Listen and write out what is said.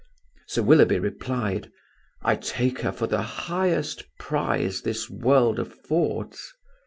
Sir Willoughby replied: "I take her for the highest prize this world affords."